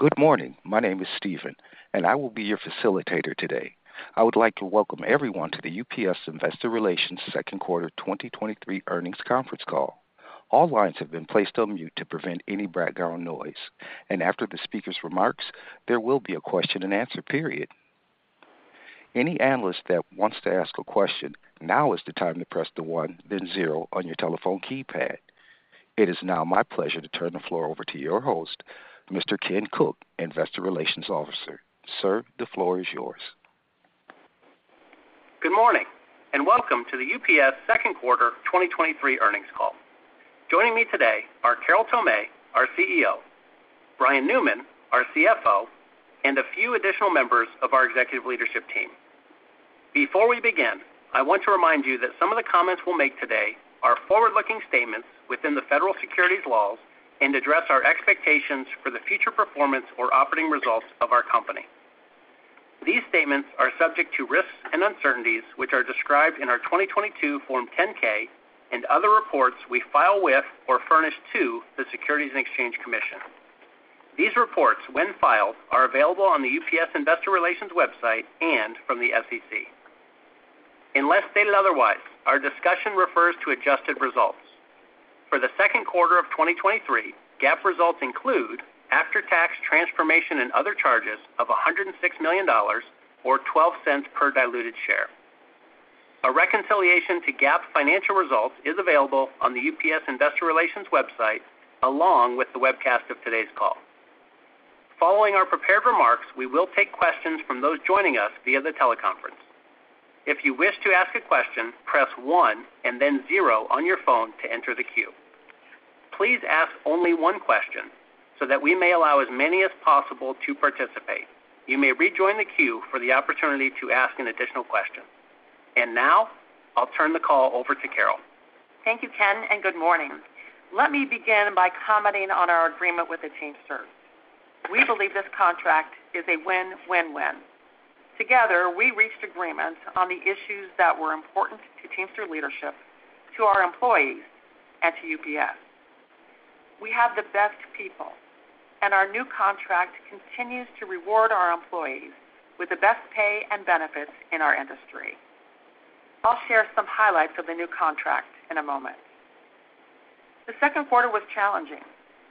Good morning. My name is Steven, and I will be your facilitator today. I would like to welcome everyone to the UPS Investor Relations Second Quarter 2023 Earnings Conference Call. All lines have been placed on mute to prevent any background noise, and after the speaker's remarks, there will be a question-and-answer period. Any analyst that wants to ask a question, now is the time to press the 1, then 0 on your telephone keypad. It is now my pleasure to turn the floor over to your host, Mr. Ken Cook, Investor Relations Officer. Sir, the floor is yours. Good morning, welcome to the UPS second quarter 2023 earnings call. Joining me today are Carol Tomé, our CEO, Brian Newman, our CFO, and a few additional members of our executive leadership team. Before we begin, I want to remind you that some of the comments we'll make today are forward-looking statements within the federal securities laws and address our expectations for the future performance or operating results of our company. These statements are subject to risks and uncertainties, which are described in our 2022 Form 10-K and other reports we file with or furnish to the Securities and Exchange Commission. These reports, when filed, are available on the UPS Investor Relations website and from the SEC. Unless stated otherwise, our discussion refers to adjusted results. For the second quarter of 2023, GAAP results include after-tax transformation and other charges of $106 million or $0.12 per diluted share. A reconciliation to GAAP financial results is available on the UPS Investor Relations website, along with the webcast of today's call. Following our prepared remarks, we will take questions from those joining us via the teleconference. If you wish to ask a question, press one and then zero on your phone to enter the queue. Please ask only one question so that we may allow as many as possible to participate. You may rejoin the queue for the opportunity to ask an additional question. Now I'll turn the call over to Carol. Thank you, Ken. Good morning. Let me begin by commenting on our agreement with the Teamsters. We believe this contract is a win, win, win. Together, we reached agreements on the issues that were important to Teamster leadership, to our employees, and to UPS. We have the best people. Our new contract continues to reward our employees with the best pay and benefits in our industry. I'll share some highlights of the new contract in a moment. The second quarter was challenging,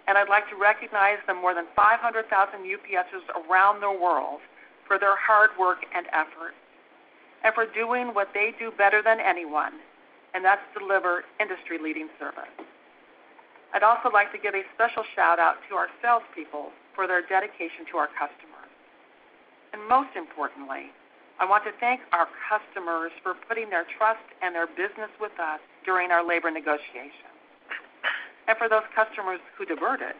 and I'd like to recognize the more than 500,000 UPSers around the world for their hard work and effort, and for doing what they do better than anyone, and that's deliver industry-leading service. I'd also like to give a special shout-out to our salespeople for their dedication to our customers. Most importantly, I want to thank our customers for putting their trust and their business with us during our labor negotiations. For those customers who diverted,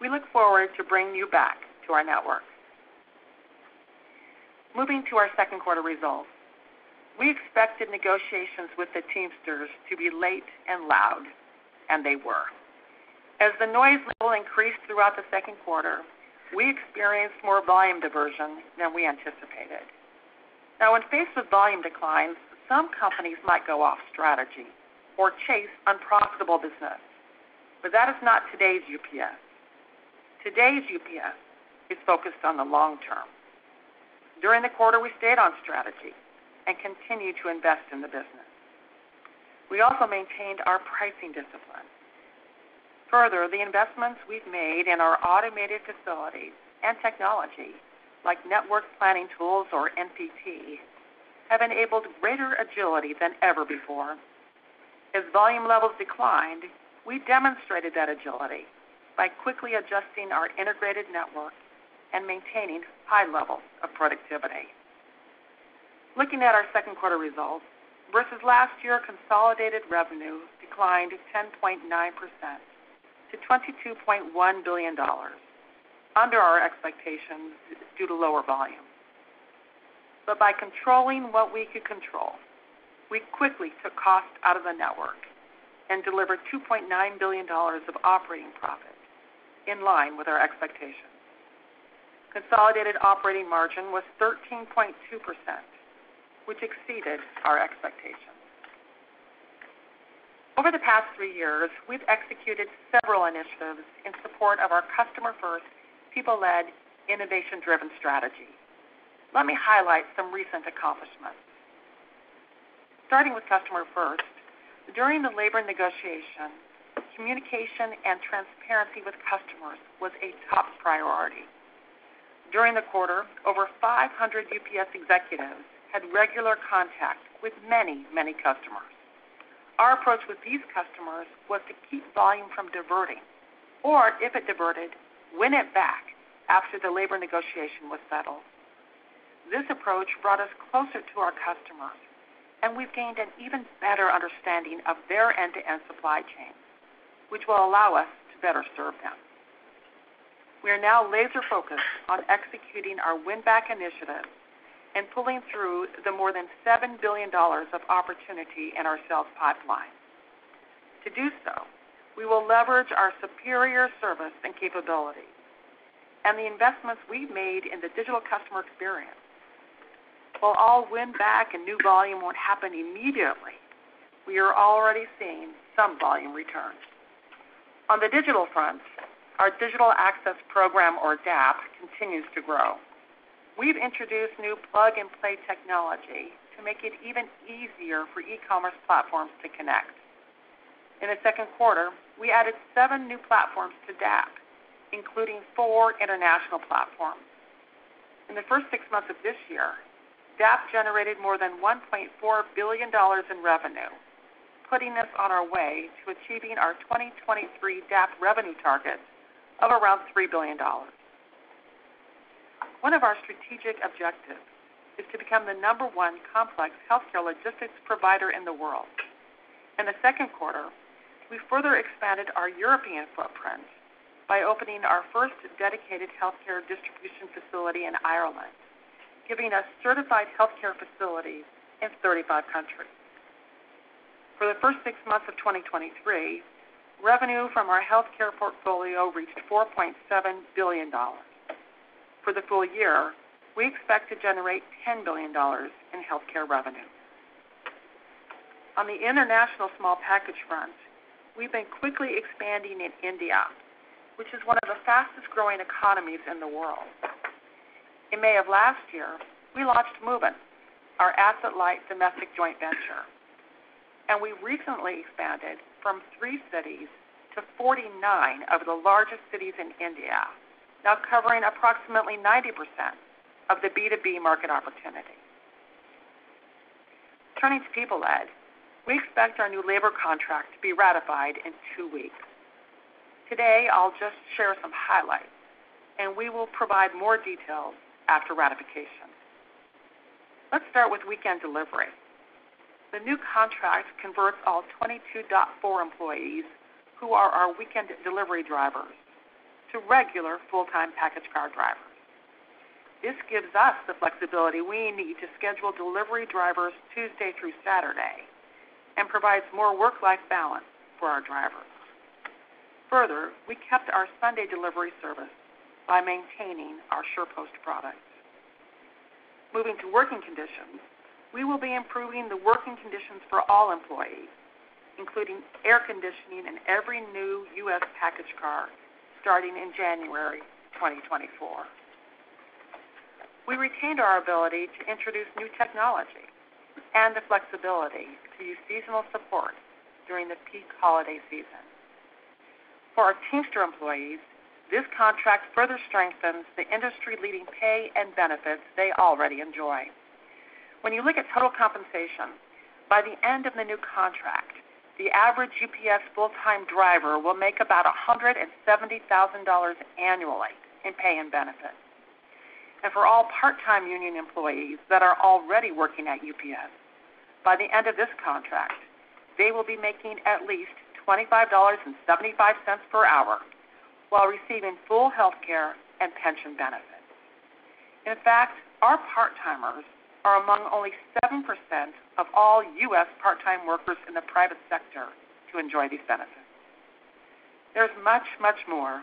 we look forward to bringing you back to our network. Moving to our second quarter results, we expected negotiations with the Teamsters to be late and loud, and they were. As the noise level increased throughout the second quarter, we experienced more volume diversion than we anticipated. When faced with volume declines, some companies might go off strategy or chase unprofitable business, but that is not today's UPS. Today's UPS is focused on the long term. During the quarter, we stayed on strategy and continued to invest in the business. We also maintained our pricing discipline. Further, the investments we've made in our automated facilities and technology, like network planning tools, or NPP, have enabled greater agility than ever before. As volume levels declined, we demonstrated that agility by quickly adjusting our integrated network and maintaining high levels of productivity. Looking at our second quarter results, versus last year, consolidated revenue declined 10.9%- $22.1 billion, under our expectations due to lower volume. By controlling what we could control, we quickly took cost out of the network and delivered $2.9 billion of operating profit in line with our expectations. Consolidated operating margin was 13.2%, which exceeded our expectations. Over the past three years, we've executed several initiatives in support of our customer-first, people-led, innovation-driven strategy. Let me highlight some recent accomplishments. Starting with customer first, during the labor negotiation, communication and transparency with customers was a top priority. During the quarter, over 500 UPS executives had regular contact with many, many customers. Our approach with these customers was to keep volume from diverting, or if it diverted, win it back after the labor negotiation was settled. This approach brought us closer to our customers, and we've gained an even better understanding of their end-to-end supply chain, which will allow us to better serve them. We are now laser-focused on executing our win-back initiatives and pulling through the more than $7 billion of opportunity in our sales pipeline. To do so, we will leverage our superior service and capabilities and the investments we've made in the digital customer experience. While all win back and new volume won't happen immediately, we are already seeing some volume return. On the digital front, our Digital Access Program, or DAP, continues to grow. We've introduced new plug-and-play technology to make it even easier for e-commerce platforms to connect. In the second quarter, we added 7 new platforms to DAP, including 4 international platforms. In the first 6 months of this year, DAP generated more than $1.4 billion in revenue, putting us on our way to achieving our 2023 DAP revenue target of around $3 billion. One of our strategic objectives is to become the number one complex healthcare logistics provider in the world. In the second quarter, we further expanded our European footprint by opening our first dedicated healthcare distribution facility in Ireland, giving us certified healthcare facilities in 35 countries. For the first 6 months of 2023, revenue from our healthcare portfolio reached $4.7 billion. For the full year, we expect to generate $10 billion in healthcare revenue. On the international small package front, we've been quickly expanding in India, which is one of the fastest growing economies in the world. In May of last year, we launched MOVIN, our asset-light domestic joint venture, and we recently expanded from 3 cities to 49 of the largest cities in India, now covering approximately 90% of the B2B market opportunity. Turning to people, Ed, we expect our new labor contract to be ratified in 2 weeks. Today, I'll just share some highlights, and we will provide more details after ratification. Let's start with weekend delivery. The new contract converts all 22.4 employees, who are our weekend delivery drivers, to regular full-time package car drivers. This gives us the flexibility we need to schedule delivery drivers Tuesday through Saturday and provides more work-life balance for our drivers. Further, we kept our Sunday delivery service by maintaining our SurePost products. Moving to working conditions, we will be improving the working conditions for all employees, including air conditioning in every new U.S. package car starting in January 2024. We retained our ability to introduce new technology and the flexibility to use seasonal support during the peak holiday season. For our Teamster employees, this contract further strengthens the industry-leading pay and benefits they already enjoy. When you look at total compensation, by the end of the new contract, the average UPS full-time driver will make about $170,000 annually in pay and benefits. For all part-time union employees that are already working at UPS, by the end of this contract, they will be making at least $25.75 per hour while receiving full healthcare and pension benefits. In fact, our part-timers are among only 7% of all U.S. part-time workers in the private sector to enjoy these benefits. There's much, much more.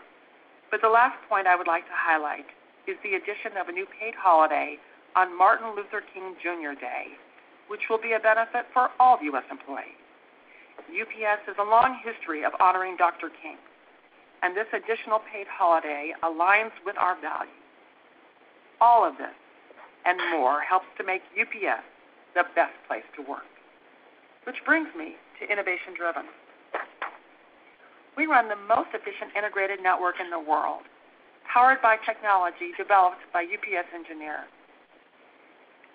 The last point I would like to highlight is the addition of a new paid holiday on Martin Luther King Jr. Day, which will be a benefit for all U.S. employees. UPS has a long history of honoring Dr. King. This additional paid holiday aligns with our values. All of this and more helps to make UPS the best place to work, which brings me to Innovation-Driven. We run the most efficient integrated network in the world, powered by technology developed by UPS engineers.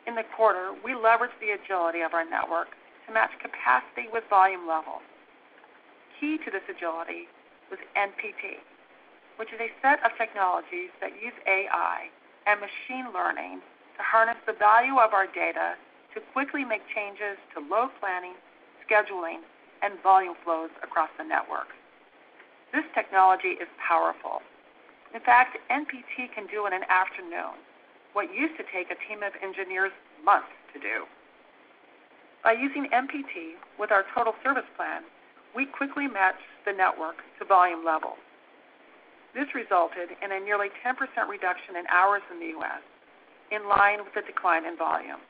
In the quarter, we leveraged the agility of our network to match capacity with volume levels. Key to this agility was NPT, which is a set of technologies that use AI and machine learning to harness the value of our data to quickly make changes to load planning, scheduling, and volume flows across the network. This technology is powerful. In fact, NPT can do in an afternoon what used to take a team of engineers months to do. By using NPT with our Total Service Plan, we quickly matched the network to volume levels. This resulted in a nearly 10% reduction in hours in the U.S., in line with the decline in volume.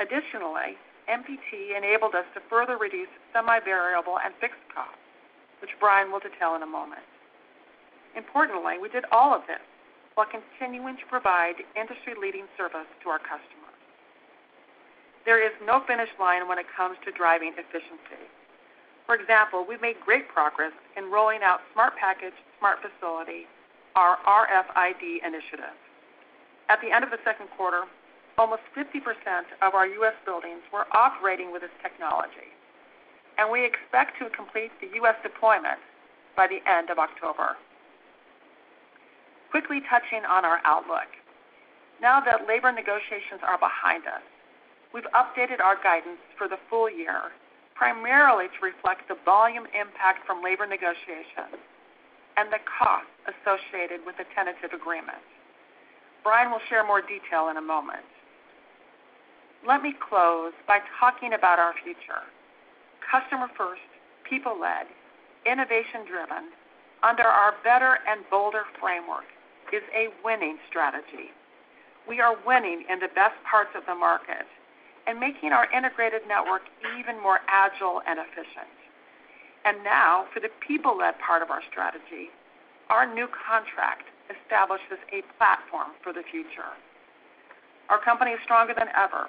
Additionally, NPT enabled us to further reduce semi-variable and fixed costs, which Brian will detail in a moment. Importantly, we did all of this while continuing to provide industry-leading service to our customers. There is no finish line when it comes to driving efficiency. For example, we've made great progress in rolling out Smart Package, Smart Facility, our RFID initiative. At the end of the second quarter, almost 50% of our U.S. buildings were operating with this technology, and we expect to complete the U.S. deployment by the end of October. Quickly touching on our outlook. Now that labor negotiations are behind us, we've updated our guidance for the full year, primarily to reflect the volume impact from labor negotiations and the costs associated with the tentative agreement. Brian will share more detail in a moment. Let me close by talking about our future. Customer First, People-Led, Innovation-Driven, under our Better and Bolder framework is a winning strategy. We are winning in the best parts of the market and making our integrated network even more agile and efficient. Now, for the People-Led part of our strategy, our new contract establishes a platform for the future. Our company is stronger than ever,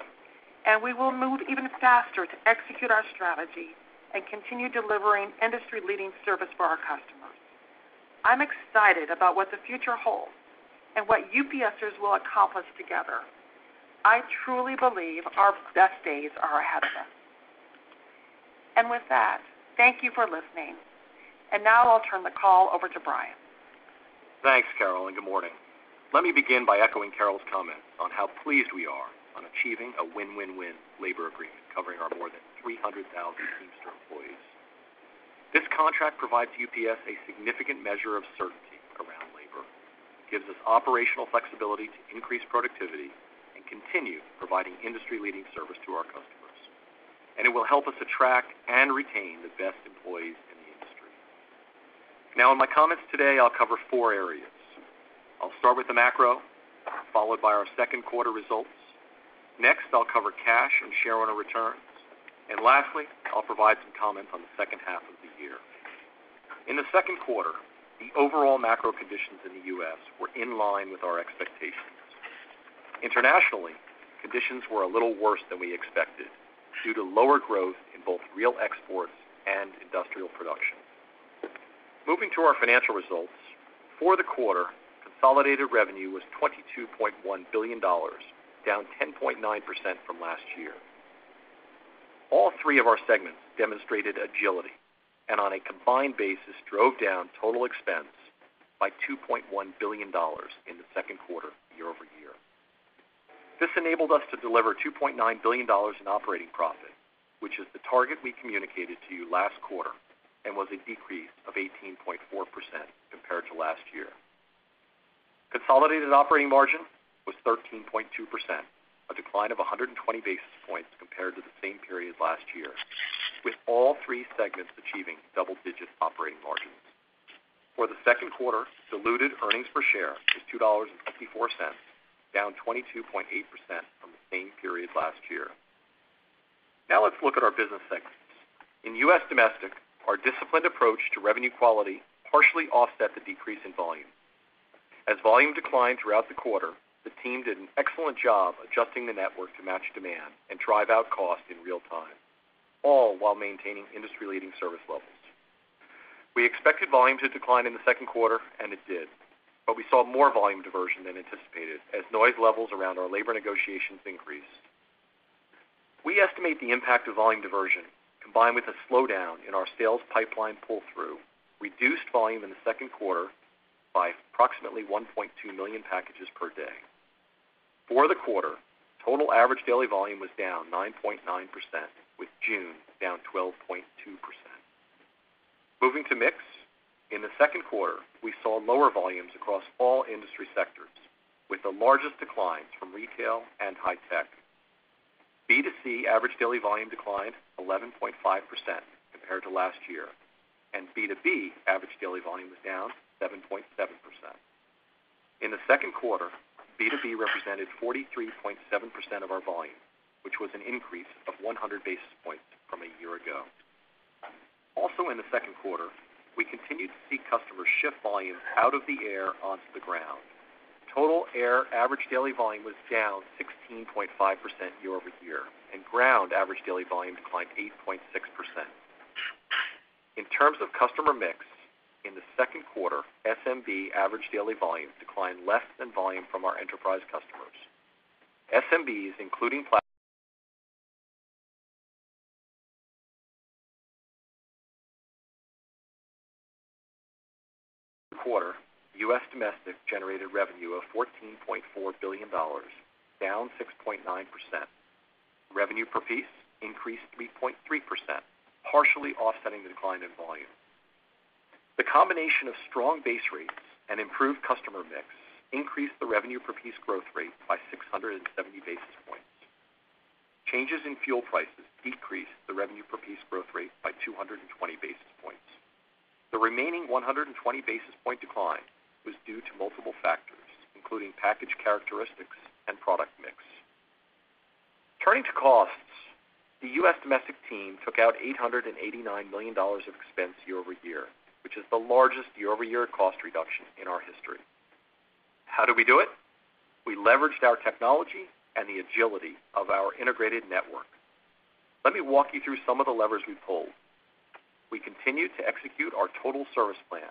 and we will move even faster to execute our strategy and continue delivering industry-leading service for our customers. I'm excited about what the future holds and what UPSers will accomplish together. I truly believe our best days are ahead of us. With that, thank you for listening. Now I'll turn the call over to Brian. Thanks, Carol, and good morning. Let me begin by echoing Carol's comments on how pleased we are on achieving a win-win-win labor agreement covering our more than 300,000 Teamster employees. This contract provides UPS a significant measure of certainty around labor, gives us operational flexibility to increase productivity, and continue providing industry-leading service to our customers, and it will help us attract and retain the best employees in the industry. Now, in my comments today, I'll cover four areas. I'll start with the macro, followed by our 2Q results. Next, I'll cover cash and shareowner returns, and lastly, I'll provide some comments on the 2H of the year. In the 2Q, the overall macro conditions in the U.S. were in line with our expectations. Internationally, conditions were a little worse than we expected due to lower growth in both real exports and industrial production. Moving to our financial results, for the quarter, consolidated revenue was $22.1 billion, down 10.9% from last year. All three of our segments demonstrated agility and on a combined basis, drove down total expense by $2.1 billion in the second quarter year-over-year. This enabled us to deliver $2.9 billion in operating profit, which is the target we communicated to you last quarter, and was a decrease of 18.4% compared to last year. Consolidated operating margin was 13.2%, a decline of 120 basis points compared to the same period last year, with all three segments achieving double-digit operating margins. For the second quarter, diluted earnings per share was $2.54, down 22.8% from the same period last year. Let's look at our business segments. In U.S. Domestic, our disciplined approach to revenue quality partially offset the decrease in volume. As volume declined throughout the quarter, the team did an excellent job adjusting the network to match demand and drive out cost in real time, all while maintaining industry-leading service levels. We expected volume to decline in the second quarter, and it did, but we saw more volume diversion than anticipated as noise levels around our labor negotiations increased. We estimate the impact of volume diversion, combined with a slowdown in our sales pipeline pull-through, reduced volume in the second quarter by approximately 1.2 million packages per day. For the quarter, total average daily volume was down 9.9%, with June down 12.2%. Moving to mix, in the second quarter, we saw lower volumes across all industry sectors, with the largest declines from retail and high tech. B2C average daily volume declined 11.5% compared to last year. B2B average daily volume was down 7.7%. In the second quarter, B2B represented 43.7% of our volume, which was an increase of 100 basis points from a year ago. In the second quarter, we continued to see customers shift volume out of the air onto the ground. Total air average daily volume was down 16.5% year-over-year. Ground average daily volume declined 8.6%. In terms of customer mix, in the second quarter, SMB average daily volume declined less than volume from our enterprise customers. SMBs, US Domestic generated revenue of $14.4 billion, down 6.9%. Revenue per piece increased 3.3%, partially offsetting the decline in volume. The combination of strong base rates and improved customer mix increased the revenue per piece growth rate by 670 basis points. Changes in fuel prices decreased the revenue per piece growth rate by 220 basis points. The remaining 120 basis point decline was due to multiple factors, including package characteristics and product mix. Turning to costs, the US Domestic team took out $889 million of expense year-over-year, which is the largest year-over-year cost reduction in our history. How did we do it? We leveraged our technology and the agility of our integrated network. Let me walk you through some of the levers we pulled. We continued to execute our Total Service Plan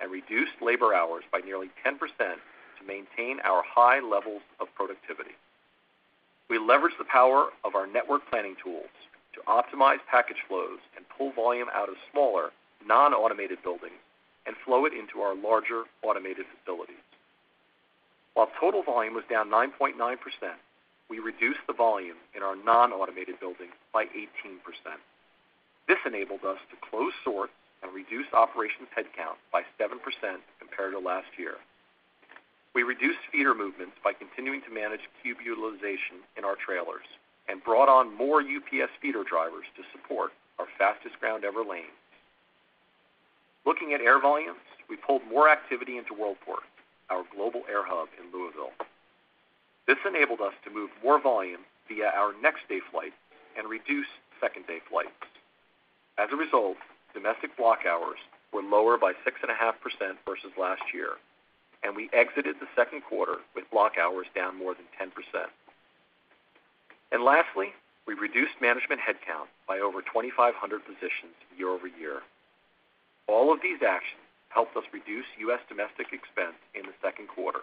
and reduced labor hours by nearly 10% to maintain our high levels of productivity. We leveraged the power of our Network Planning Tools to optimize package flows and pull volume out of smaller, non-automated buildings and flow it into our larger, automated facilities. While total volume was down 9.9%, we reduced the volume in our non-automated buildings by 18%....This enabled us to close sort and reduce operations headcount by 7% compared to last year. We reduced feeder movements by continuing to manage cube utilization in our trailers and brought on more UPS feeder drivers to support our Fastest Ground Ever lanes. Looking at air volumes, we pulled more activity into Worldport, our global air hub in Louisville. This enabled us to move more volume via our next day flight and reduce second day flights. As a result, domestic block hours were lower by 6.5% versus last year, and we exited the second quarter with block hours down more than 10%. Lastly, we reduced management headcount by over 2,500 positions year-over-year. All of these actions helped us reduce U.S. Domestic expense in the second quarter.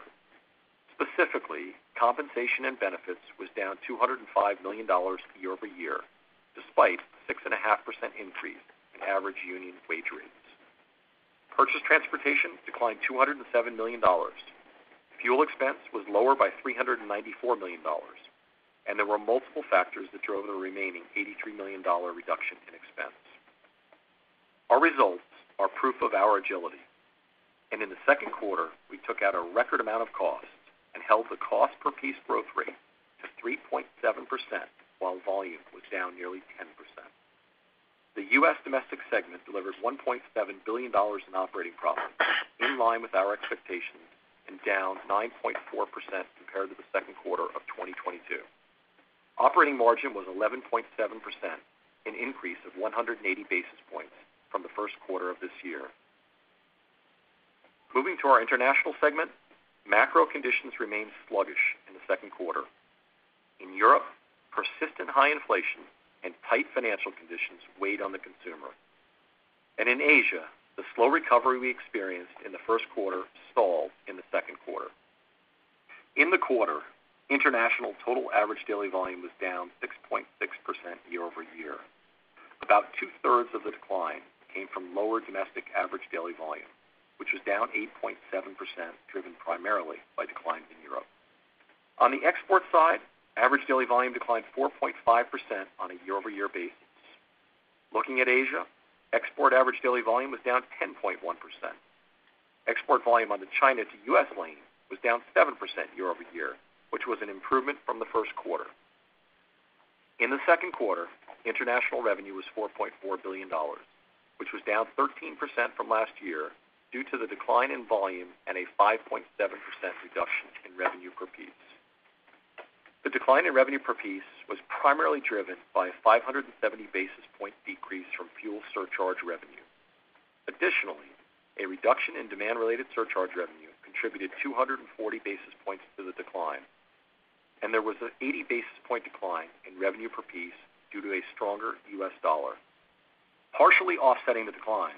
Specifically, compensation and benefits was down $205 million year-over-year, despite 6.5% increase in average union wage rates. Purchase transportation declined $207 million. Fuel expense was lower by $394 million, and there were multiple factors that drove the remaining $83 million reduction in expense. Our results are proof of our agility. In the second quarter, we took out a record amount of costs and held the cost per piece growth rate to 3.7%, while volume was down nearly 10%. The U.S. Domestic segment delivered $1.7 billion in operating profit, in line with our expectations, down 9.4% compared to the second quarter of 2022. Operating margin was 11.7%, an increase of 180 basis points from the first quarter of this year. Moving to our international segment, macro conditions remained sluggish in the second quarter. In Europe, persistent high inflation and tight financial conditions weighed on the consumer. In Asia, the slow recovery we experienced in the first quarter stalled in the second quarter. In the quarter, international total average daily volume was down 6.6% year-over-year. About two-thirds of the decline came from lower domestic average daily volume, which was down 8.7%, driven primarily by declines in Europe. On the export side, average daily volume declined 4.5% on a year-over-year basis. Looking at Asia, export average daily volume was down 10.1%. Export volume on the China to U.S. lane was down 7% year-over-year, which was an improvement from the first quarter. In the second quarter, international revenue was $4.4 billion, which was down 13% from last year due to the decline in volume and a 5.7% reduction in revenue per piece. The decline in revenue per piece was primarily driven by a 570 basis point decrease from fuel surcharge revenue. Additionally, a reduction in demand-related surcharge revenue contributed 240 basis points to the decline, and there was an 80 basis point decline in revenue per piece due to a stronger US dollar. Partially offsetting the decline,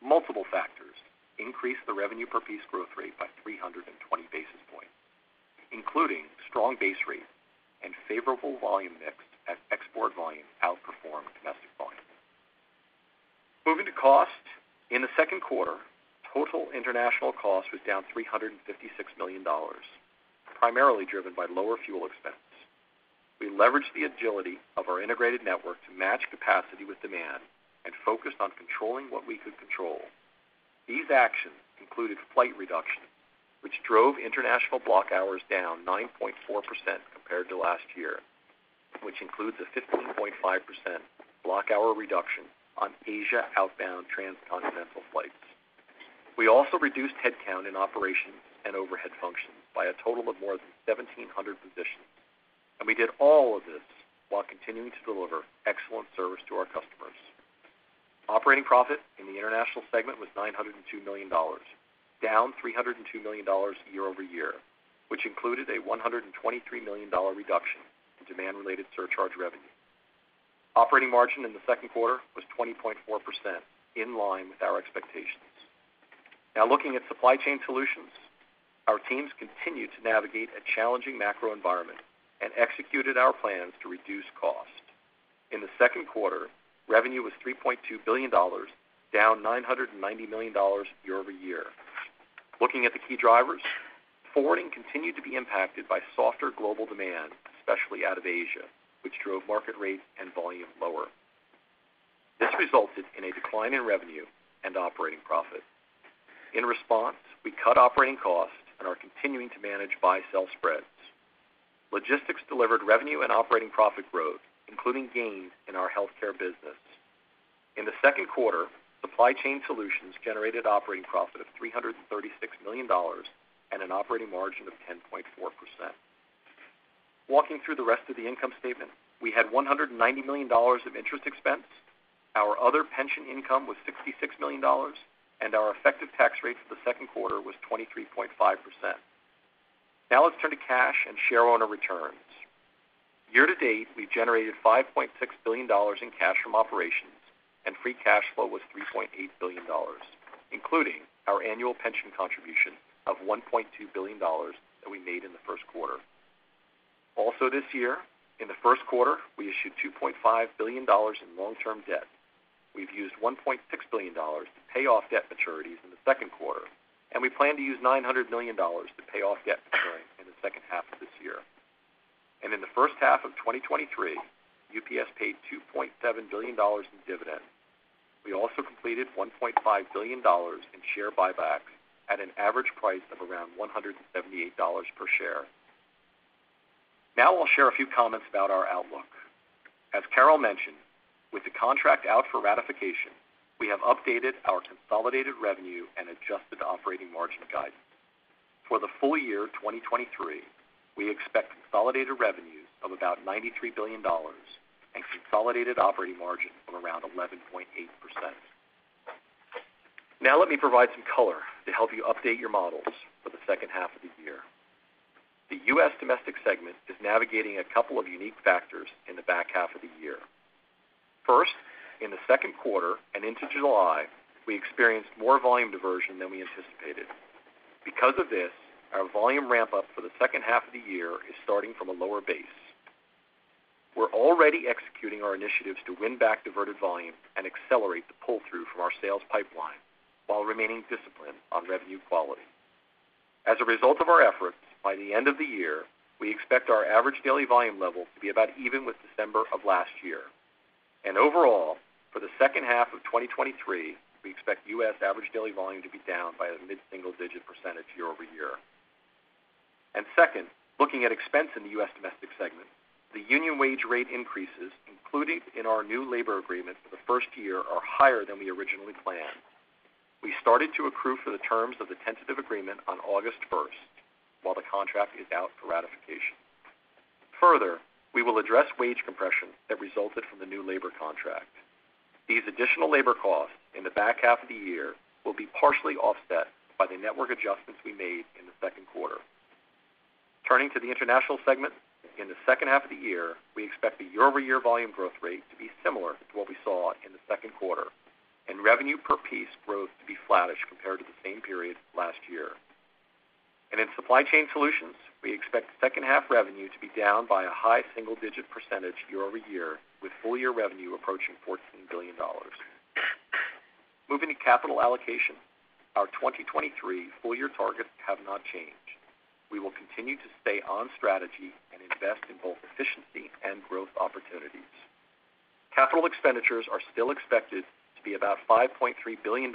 multiple factors increased the revenue per piece growth rate by 320 basis points, including strong base rates and favorable volume mix as export volume outperformed domestic volume. Moving to cost. In the second quarter, total international cost was down $356 million, primarily driven by lower fuel expense. We leveraged the agility of our integrated network to match capacity with demand and focused on controlling what we could control. These actions included flight reduction, which drove international block hours down 9.4% compared to last year, which includes a 15.5% block hour reduction on Asia outbound transcontinental flights. We also reduced headcount in operations and overhead functions by a total of more than 1,700 positions, and we did all of this while continuing to deliver excellent service to our customers. Operating profit in the international segment was $902 million, down $302 million year-over-year, which included a $123 million reduction in demand-related surcharge revenue. Operating margin in the second quarter was 20.4%, in line with our expectations. Now, looking at supply chain solutions, our teams continued to navigate a challenging macro environment and executed our plans to reduce costs. In the second quarter, revenue was $3.2 billion, down $990 million year-over-year. Looking at the key drivers, forwarding continued to be impacted by softer global demand, especially out of Asia, which drove market rates and volume lower. This resulted in a decline in revenue and operating profit. In response, we cut operating costs and are continuing to manage buy-sell spreads. Logistics delivered revenue and operating profit growth, including gains in our healthcare business. In the second quarter, supply chain solutions generated operating profit of $336 million and an operating margin of 10.4%. Walking through the rest of the income statement, we had $190 million of interest expense, our other pension income was $66 million, our effective tax rate for the second quarter was 23.5%. Now let's turn to cash and share owner returns. Year to date, we generated $5.6 billion in cash from operations, and free cash flow was $3.8 billion, including our annual pension contribution of $1.2 billion that we made in the first quarter. Also this year, in the first quarter, we issued $2.5 billion in long-term debt. We've used $1.6 billion to pay off debt maturities in the second quarter, and we plan to use $900 million to pay off debt maturing in the second half of this year. In the first half of 2023, UPS paid $2.7 billion in dividends. We also completed $1.5 billion in share buybacks at an average price of around $178 per share. I'll share a few comments about our outlook. As Carol mentioned, with the contract out for ratification, we have updated our consolidated revenue and adjusted operating margin guidance. For the full year 2023, we expect consolidated revenue of about $93 billion and consolidated operating margin of around 11.8%. Let me provide some color to help you update your models for the second half of the year. The U.S. Domestic segment is navigating a couple of unique factors in the back half of the year. First, in the second quarter and into July, we experienced more volume diversion than we anticipated. Because of this, our volume ramp up for the second half of the year is starting from a lower base. We're already executing our initiatives to win back diverted volume and accelerate the pull-through from our sales pipeline while remaining disciplined on revenue quality. As a result of our efforts, by the end of the year, we expect our average daily volume levels to be about even with December of last year. Overall, for the second half of 2023, we expect U.S. average daily volume to be down by a mid-single digit % year-over-year. Second, looking at expense in the U.S. Domestic segment, the union wage rate increases, including in our new labor agreement for the 1st year, are higher than we originally planned. We started to accrue for the terms of the tentative agreement on August 1st, while the contract is out for ratification. Further, we will address wage compression that resulted from the new labor contract. These additional labor costs in the back half of the year will be partially offset by the network adjustments we made in the second quarter. Turning to the international segment, in the second half of the year, we expect the year-over-year volume growth rate to be similar to what we saw in the second quarter, and revenue per piece growth to be flattish compared to the same period last year. In Supply Chain Solutions, we expect second half revenue to be down by a high single-digit % year-over-year, with full year revenue approaching $14 billion. Moving to capital allocation, our 2023 full year targets have not changed. We will continue to stay on strategy and invest in both efficiency and growth opportunities. Capital expenditures are still expected to be about $5.3 billion,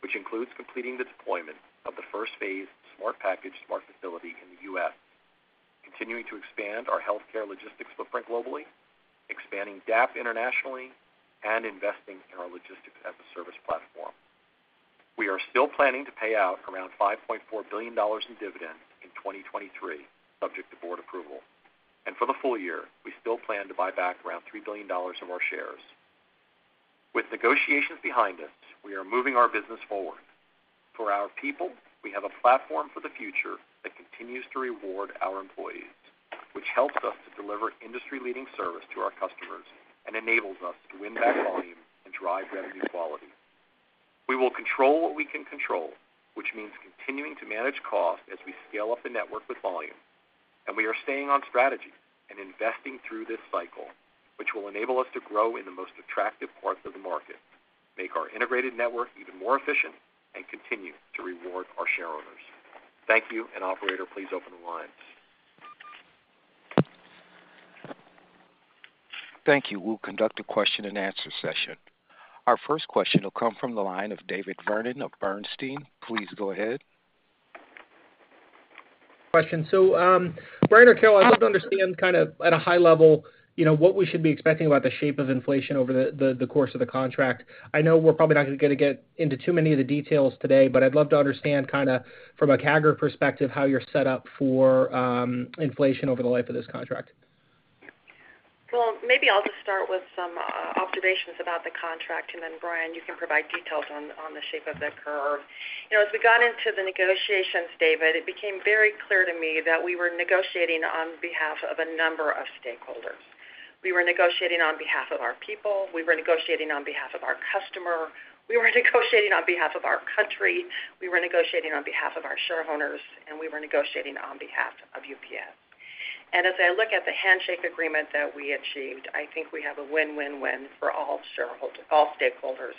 which includes completing the deployment of the first phase Smart Package Smart Facility in the U.S., continuing to expand our healthcare logistics footprint globally, expanding DAP internationally, and investing in our logistics as a service platform. We are still planning to pay out around $5.4 billion in dividends in 2023, subject to board approval. For the full year, we still plan to buy back around $3 billion of our shares. With negotiations behind us, we are moving our business forward. For our people, we have a platform for the future that continues to reward our employees, which helps us to deliver industry-leading service to our customers and enables us to win back volume and drive revenue quality. We will control what we can control, which means continuing to manage costs as we scale up the network with volume. We are staying on strategy and investing through this cycle, which will enable us to grow in the most attractive parts of the market, make our integrated network even more efficient, and continue to reward our shareowners. Thank you, and operator, please open the lines. Thank you. We'll conduct a question-and-answer session. Our first question will come from the line of David Vernon of Bernstein. Please go ahead. Question. Brian or Carol, I'd love to understand kind of at a high level, you know, what we should be expecting about the shape of inflation over the, the, the course of the contract. I know we're probably not going to get into too many of the details today, but I'd love to understand kind of from a CAGR perspective, how you're set up for inflation over the life of this contract? Well, maybe I'll just start with some observations about the contract, then Brian, you can provide details on, on the shape of the curve. You know, as we got into the negotiations, David, it became very clear to me that we were negotiating on behalf of a number of stakeholders. We were negotiating on behalf of our people, we were negotiating on behalf of our customer, we were negotiating on behalf of our country, we were negotiating on behalf of our shareowners, we were negotiating on behalf of UPS. As I look at the handshake agreement that we achieved, I think we have a win-win-win for all stakeholders.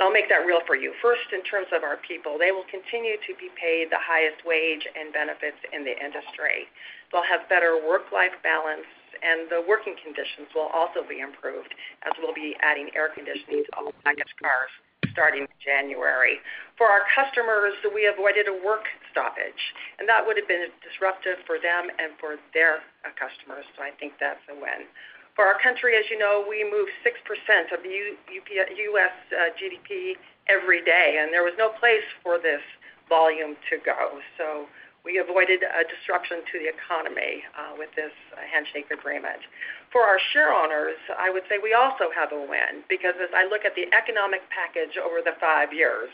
I'll make that real for you. First, in terms of our people, they will continue to be paid the highest wage and benefits in the industry. They'll have better work-life balance, and the working conditions will also be improved, as we'll be adding air conditioning to all package cars starting January. For our customers, we avoided a work stoppage, and that would have been disruptive for them and for their customers, so I think that's a win. For our country, as you know, we move 6% of U.S. GDP every day, and there was no place for this volume to go, so we avoided a disruption to the economy with this handshake agreement. For our shareowners, I would say we also have a win, because as I look at the economic package over the 5 years,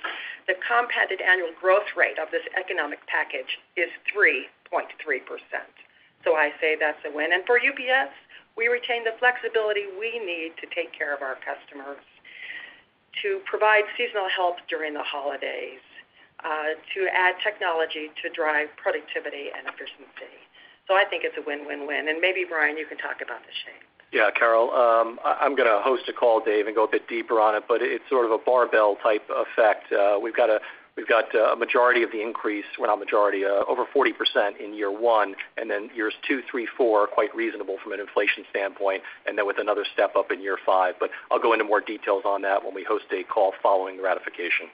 the compounded annual growth rate of this economic package is 3.3%. I say that's a win. For UPS, we retain the flexibility we need to take care of our customers, to provide seasonal help during the holidays, to add technology to drive productivity and efficiency. I think it's a win-win-win. Maybe, Brian, you can talk about the shape. Yeah, Carol, I'm gonna host a call, Dave, and go a bit deeper on it, but it's sort of a barbell type effect. We've got a majority of the increase, well, not majority, over 40% in year 1, and then years 2, 3, 4, quite reasonable from an inflation standpoint, and then with another step up in year 5. I'll go into more details on that when we host a call following the ratification.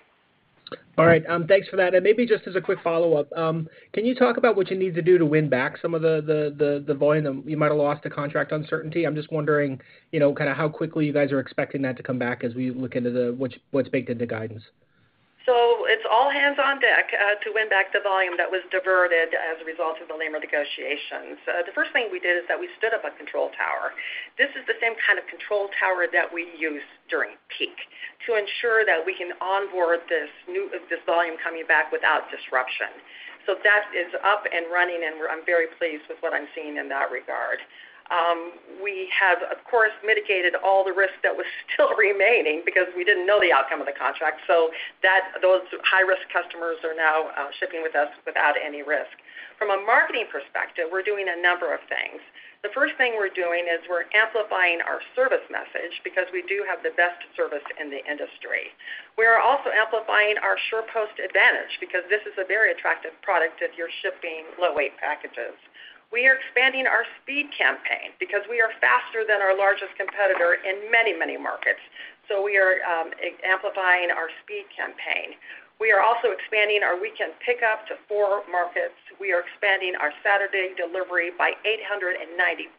All right, thanks for that. Maybe just as a quick follow-up, can you talk about what you need to do to win back some of the volume that you might have lost to contract uncertainty? I'm just wondering, you know, kind of how quickly you guys are expecting that to come back as we look into the, what's, what's baked into guidance. It's all hands on deck to win back the volume that was diverted as a result of the labor negotiations. The first thing we did is that we stood up a control tower. This is the same kind of control tower that we use during peak to ensure that we can onboard this volume coming back without disruption. That is up and running, and I'm very pleased with what I'm seeing in that regard. We have, of course, mitigated all the risk that was still remaining because we didn't know the outcome of the contract, so that those high-risk customers are now shipping with us without any risk. From a marketing perspective, we're doing a number of things. The first thing we're doing is we're amplifying our service message because we do have the best service in the industry. We are also amplifying our UPS SurePost advantage because this is a very attractive product if you're shipping low weight packages. We are expanding our speed campaign because we are faster than our largest competitor in many, many markets. We are amplifying our speed campaign. We are also expanding our weekend pickup to 4 markets. We are expanding our Saturday delivery by 890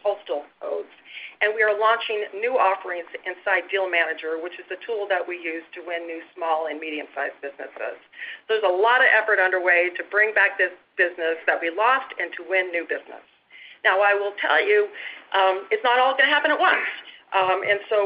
postal codes, and we are launching new offerings inside Deal Manager, which is a tool that we use to win new small and medium-sized businesses. There's a lot of effort underway to bring back this business that we lost and to win new business. Now, I will tell you, it's not all gonna happen at once.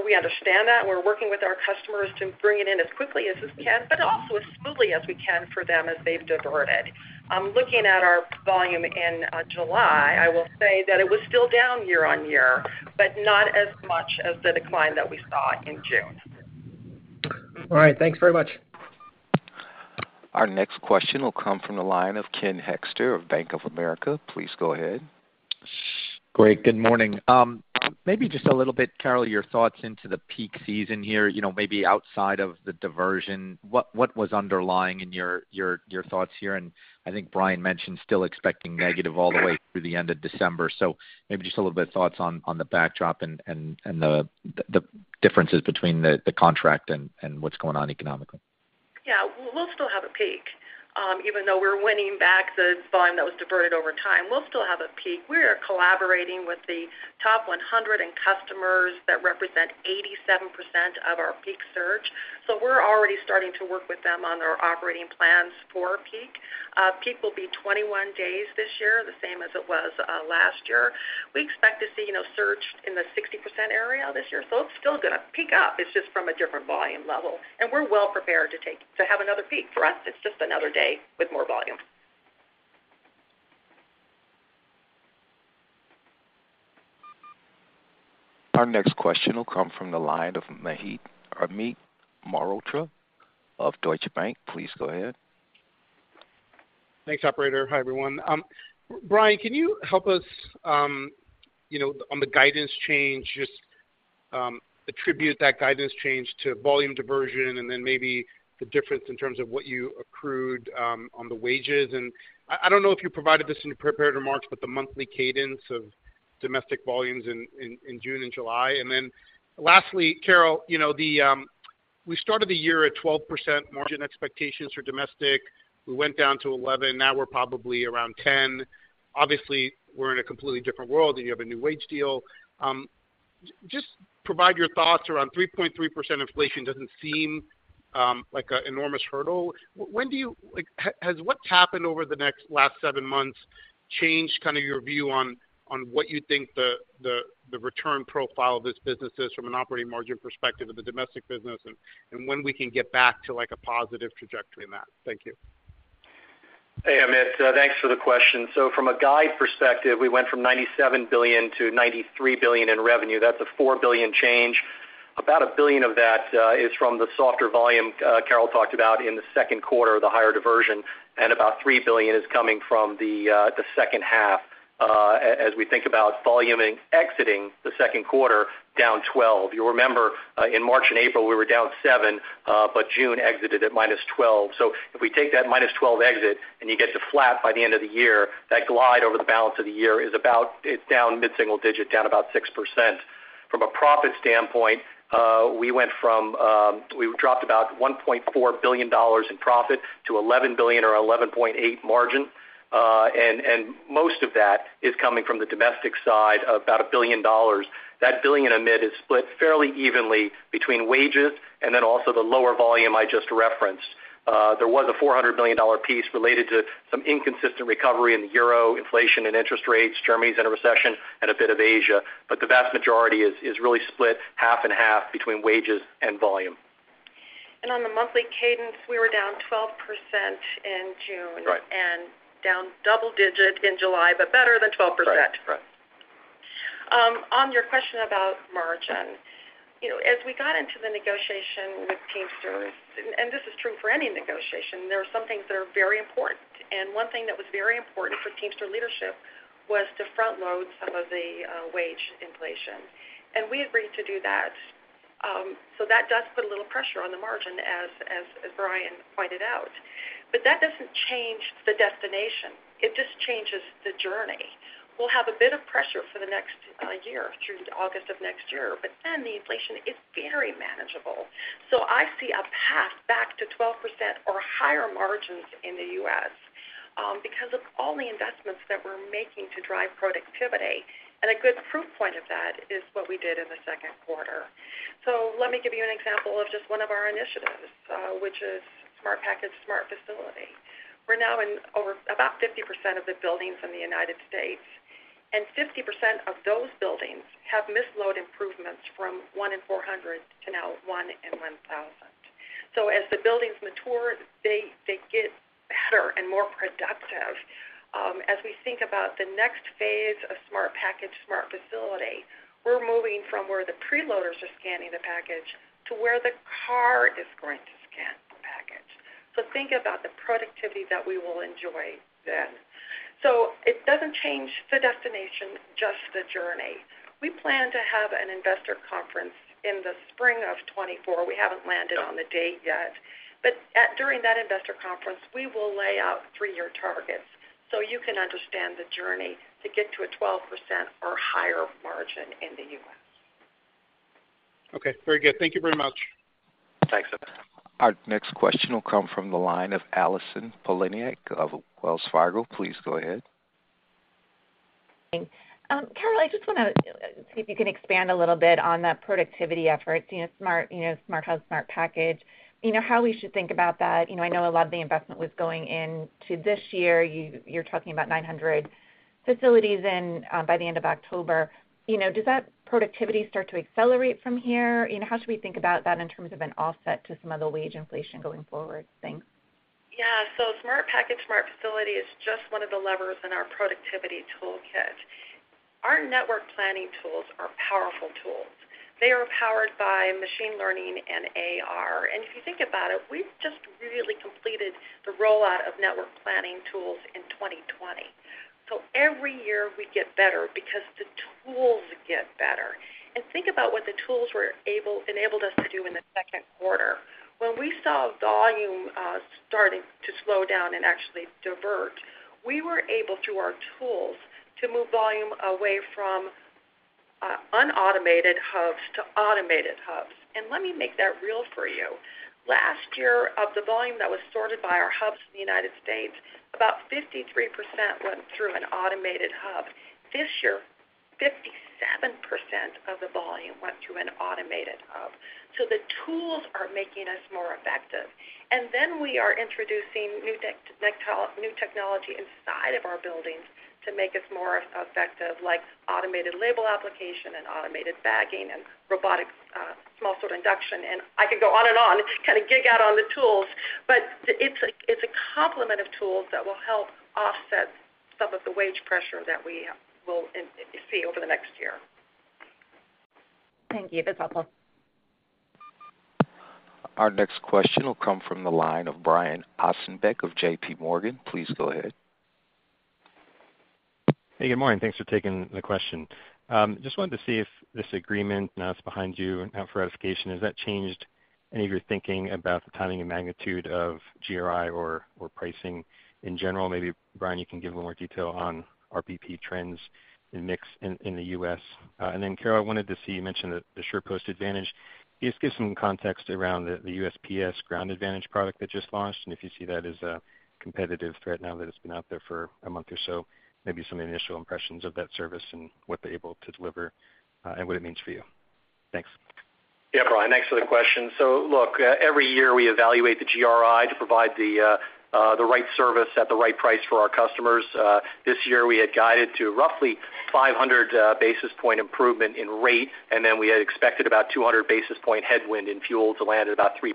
We understand that. We're working with our customers to bring it in as quickly as we can, but also as smoothly as we can for them as they've diverted. I'm looking at our volume in July. I will say that it was still down year-over-year, but not as much as the decline that we saw in June. All right. Thanks very much. Our next question will come from the line of Ken Hoexter of Bank of America. Please go ahead. Great. Good morning. Maybe just a little bit, Carol Tomé, your thoughts into the peak season here, you know, maybe outside of the diversion, what, what was underlying in your, your, your thoughts here? I think Brian Newman mentioned still expecting negative all the way through the end of December. Maybe just a little bit of thoughts on, on the backdrop and, and, and the, the differences between the, the contract and, and what's going on economically. Yeah. We'll, we'll still have a peak. Even though we're winning back the volume that was diverted over time, we'll still have a peak. We are collaborating with the top 100 in customers that represent 87% of our peak surge. We're already starting to work with them on their operating plans for peak. Peak will be 21 days this year, the same as it was last year. We expect to see, you know, surge in the 60% area this year. It's still gonna peak up. It's just from a different volume level, and we're well prepared to have another peak. For us, it's just another day with more volume. Our next question will come from the line of Mahit, Amit Mehrotra of Deutsche Bank. Please go ahead. Thanks, operator. Hi, everyone. Brian, can you help us, you know, on the guidance change, just attribute that guidance change to volume diversion and then maybe the difference in terms of what you accrued on the wages? I don't know if you provided this in your prepared remarks, but the monthly cadence of domestic volumes in June and July. Lastly, Carol, you know, the, we started the year at 12% margin expectations for domestic. We went down to 11, now we're probably around 10. Obviously, we're in a completely different world, and you have a new wage deal. Just provide your thoughts around 3.3% inflation doesn't seem like a enormous hurdle. When do you like, has what's happened over the next last seven months changed kind of your view on, on what you think the, the, the return profile of this business is from an operating margin perspective of the domestic business, and, and when we can get back to like a positive trajectory in that? Thank you. Hey, Amit, thanks for the question. From a guide perspective, we went from $97 billion-$93 billion in revenue. That's a $4 billion change. About $1 billion of that is from the softer volume Carol Tomé talked about in the second quarter, the higher diversion, and about $3 billion is coming from the, the second half. As we think about volume exiting the second quarter, down 12. You'll remember, in March and April, we were down 7, but June exited at -12. If we take that -12 exit and you get to flat by the end of the year, that glide over the balance of the year is about, it's down mid-single digit, down about 6%. From a profit standpoint, we went from, we dropped about $1.4 billion in profit to $11 billion or 11.8% margin. Most of that is coming from the domestic side, about $1 billion. That $1 billion, Amit, is split fairly evenly between wages and then also the lower volume I just referenced. There was a $400 million piece related to some inconsistent recovery in the euro, inflation and interest rates. Germany's in a recession and a bit of Asia, the vast majority is, is really split 50/50 between wages and volume. On the monthly cadence, we were down 12% in June. Right. down double-digit in July, but better than 12%. Right. Right. On your question about margin, you know, as we got into the negotiation with Teamsters, this is true for any negotiation, there are some things that are very important. One thing that was very important for Teamster leadership was to front load some of the wage inflation, and we agreed to do that. That does put a little pressure on the margin, as Brian pointed out. That doesn't change the destination, it just changes the journey. We'll have a bit of pressure for the next year through to August of next year, but then the inflation is very manageable. I see a path back to 12% or higher margins in the U.S., because of all the investments that we're making to drive productivity. A good proof point of that is what we did in the second quarter. Let me give you an example of just one of our initiatives, which is Smart Package Smart Facility. We're now in over about 50% of the buildings in the United States, and 50% of those buildings have misload improvements from 1 in 400 to now 1 in 1,000. As the buildings mature, they get better and more productive. As we think about the next phase of Smart Package Smart Facility, we're moving from where the preloaders are scanning the package to where the car is going to scan the package. Think about the productivity that we will enjoy then. It doesn't change the destination, just the journey. We plan to have an investor conference in the spring of 2024. We haven't landed on the date yet, but during that investor conference, we will lay out three-year targets, so you can understand the journey to get to a 12% or higher margin in the U.S. Okay, very good. Thank you very much. Thanks. Our next question will come from the line of Allison Poliniak of Wells Fargo. Please go ahead. Thanks. Carol, I just want to see if you can expand a little bit on that productivity effort, you know, smart, you know, Smart Hub, Smart Package. You know, how we should think about that? You know, I know a lot of the investment was going into this year. You, you're talking about 900 facilities in, by the end of October. You know, does that productivity start to accelerate from here? You know, how should we think about that in terms of an offset to some of the wage inflation going forward? Thanks. Yeah. Smart Package Smart Facility is just one of the levers in our productivity toolkit. Our network planning tools are powerful tools. They are powered by machine learning and AR. If you think about it, we've just really completed the rollout of network planning tools in 2020. Every year we get better because the tools get better. Think about what the tools enabled us to do in the second quarter. When we saw volume starting to slow down and actually divert, we were able, through our tools, to move volume away from unautomated hubs to automated hubs. Let me make that real for you. Last year, of the volume that was sorted by our hubs in the United States, about 53% went through an automated hub. This year, 57% of the volume went through an automated hub. The tools are making us more effective. Then we are introducing new technology inside of our buildings to make us more effective, like automated label application and automated bagging and robotic small sort induction. I could go on and on, kind of geek out on the tools, but it's a, it's a complement of tools that will help offset some of the wage pressure that we will see over the next year. Thank you. That's helpful. Our next question will come from the line of Brian Ossenbeck of JPMorgan. Please go ahead. Hey, good morning. Thanks for taking the question. Just wanted to see if this agreement, now it's behind you and now for ratification, has that changed any of your thinking about the timing and magnitude of GRI or, or pricing in general? Maybe, Brian, you can give a little more detail on RPP trends and mix in, in the U.S. Carol, I wanted to see, you mentioned the SurePost advantage. Please give some context around the USPS Ground Advantage product that just launched, and if you see that as a competitive threat now that it's been out there for a month or so, maybe some initial impressions of that service and what they're able to deliver, and what it means for you. Thanks. Yeah, Brian, thanks for the question. Look, every year we evaluate the GRI to provide the right service at the right price for our customers. This year, we had guided to roughly 500 basis point improvement in rate, and then we had expected about 200 basis point headwind in fuel to land at about 3%.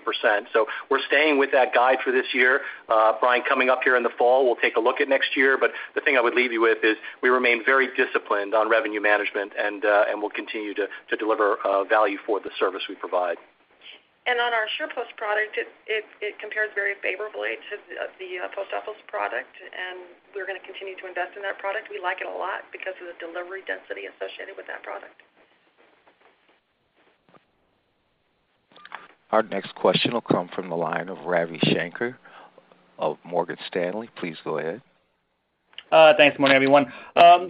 We're staying with that guide for this year. Brian, coming up here in the fall, we'll take a look at next year, but the thing I would leave you with is we remain very disciplined on revenue management, and we'll continue to deliver value for the service we provide. On our SurePost product, it compares very favorably to the Post Office product, and we're gonna continue to invest in that product. We like it a lot because of the delivery density associated with that product. Our next question will come from the line of Ravi Shanker of Morgan Stanley. Please go ahead. Thanks. Morning, everyone.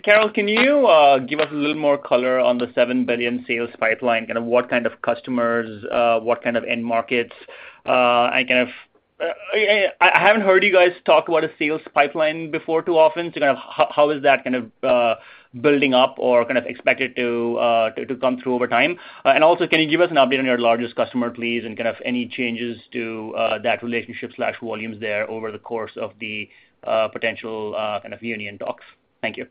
Carol, can you give us a little more color on the $7 billion sales pipeline? Kind of what kind of customers, what kind of end markets? Kind of, I, I haven't heard you guys talk about a sales pipeline before too often, so kind of how, how is that kind of building up or kind of expected to, to, to come through over time? Also, can you give us an update on your largest customer, please, and kind of any changes to that relationship slash volumes there over the course of the potential kind of union talks? Thank you.